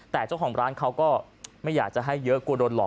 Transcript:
แต่เจ้าของร้านเขาก็ไม่อยากจะให้เยอะกลัวโดนหลอ